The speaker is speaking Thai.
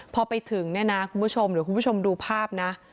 พอไปถึงเนี่ยนะคุณผู้ชมเดี๋ยวคุณผู้ชมดูภาพนะ